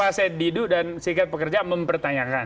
jadi fahsyid didu dan serikat pekerja mempertanyakan